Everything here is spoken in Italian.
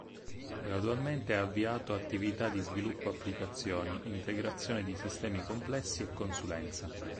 Gradualmente ha avviato attività di sviluppo applicazioni, integrazione di sistemi complessi e consulenza.